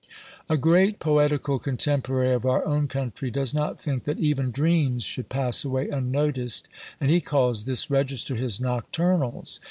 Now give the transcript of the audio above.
A great poetical contemporary of our own country does not think that even Dreams should pass away unnoticed; and he calls this register his Nocturnals.